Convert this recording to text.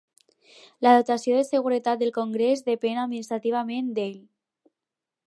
La dotació de seguretat del Congrés depèn administrativament d'ell.